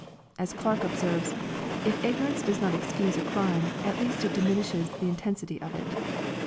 As Clarke observes, " If ignorance does not excuse a crime, at least it diminishes the intensity of it."